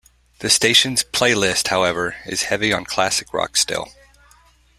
The station's playlist, however, is heavy on classic rock still.